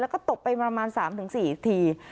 แล้วก็ตบไปประมาณ๓๔ที